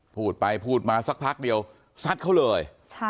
พูดไปพูดมาสักพักเดียวซัดเขาเลย